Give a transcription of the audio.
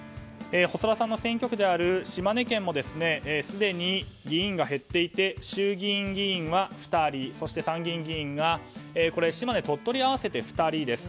細田さんの選挙区である島根県もすでに議員が減っていて衆議院議員は２人そして参議院議員が島根、鳥取合わせて２人です。